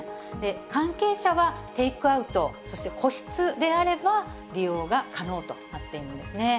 関係者はテイクアウト、そして個室であれば利用が可能となっているんですね。